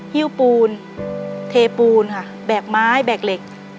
ฮิ้วปูนเทปูนค่ะแบกไม้แบกเหล็ก